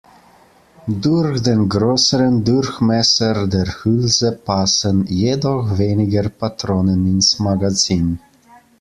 Durch den größeren Durchmesser der Hülse passen jedoch weniger Patronen ins Magazin.